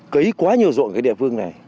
cấy quá nhiều ruộng cái địa phương này